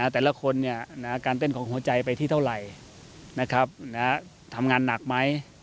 แต่ละคนการเต้นของหัวใจไปที่เท่าไหร่ทำงานหนักไหม